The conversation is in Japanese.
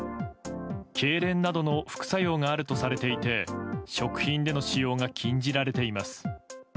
けいれんなどの副作用があるとされていて食品での使用が禁じられています。